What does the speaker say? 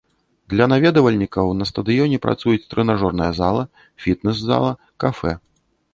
Для наведвальнікаў на стадыёне працуюць трэнажорная зала, фітнес-зала, кафэ.